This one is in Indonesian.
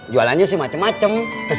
jualannya sih macem macem